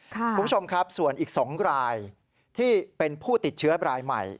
คุณผู้ชมครับส่วนอีก๒รายที่เป็นผู้ติดเชื้อรายใหม่